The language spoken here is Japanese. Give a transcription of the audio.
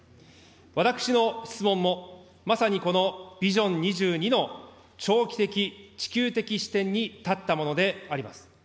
私の質問も、まさにこのビジョン２２の長期的・地球的視点に立ったものであります。